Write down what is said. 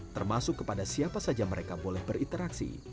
termasuk kepada siapa saja mereka boleh berinteraksi